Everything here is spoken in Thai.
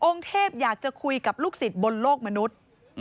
เทพอยากจะคุยกับลูกศิษย์บนโลกมนุษย์